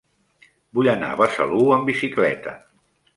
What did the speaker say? Vull anar a Besalú amb bicicleta.